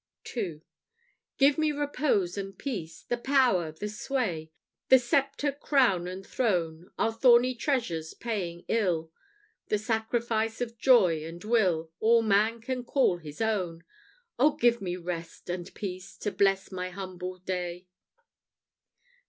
II. Give me repose and peace! The power, the sway, The sceptre, crown, and throne, Are thorny treasures, paying ill The sacrifice of joy and will All man can call his own. Oh, give me rest and peace, To bless my humble day!